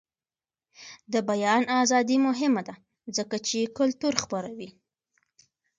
د بیان ازادي مهمه ده ځکه چې کلتور خپروي.